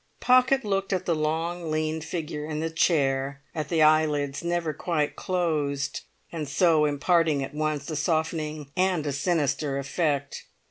Pocket looked at the long lean figure in the chair, at the eyelids never quite closed, and so imparting at once a softening and a sinister effect.